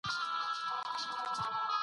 زه غواړم نور هم زده کړم.